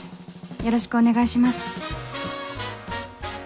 よろしくお願いします。